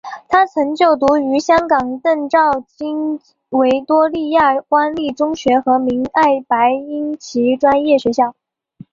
他曾经就读于香港邓肇坚维多利亚官立中学和明爱白英奇专业学校。